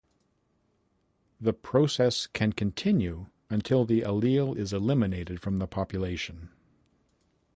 This process can continue until the allele is eliminated from the population.